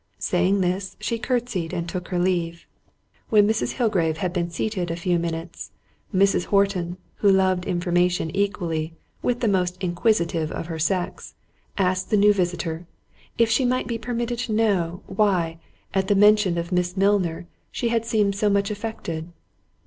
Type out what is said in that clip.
Saying this, she curtsied and took her leave. When Mrs. Hillgrave had been seated a few minutes, Mrs. Horton, who loved information equally with the most inquisitive of her sex, asked the new visitor—"If she might be permitted to know, why, at the mention of Miss Milner, she had seemed so much affected?"